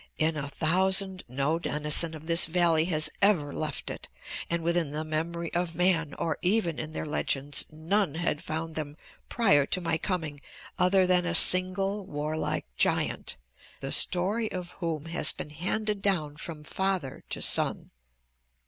In a thousand no denizen of this valley has ever left it, and within the memory of man, or even in their legends, none had found them prior to my coming other than a single warlike giant, the story of whom has been handed down from father to son.